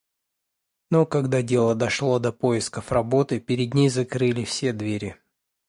Но когда дело дошло до поисков работы, перед ней закрыли все двери.